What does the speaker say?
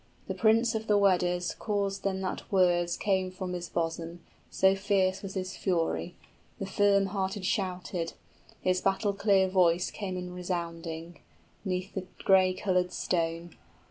The prince of the Weders Caused then that words came from his bosom, So fierce was his fury; the firm hearted shouted: His battle clear voice came in resounding 90 'Neath the gray colored stone.